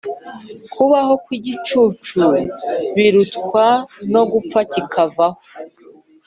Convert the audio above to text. kubaho kw’igicucu, birutwa no gupfa kikavaho.